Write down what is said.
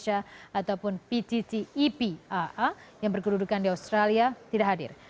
ataupun pttepaa yang berkedudukan di australia tidak hadir